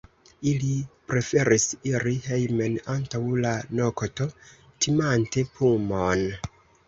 Ili preferis iri hejmen antaŭ la nokto, timante pumon.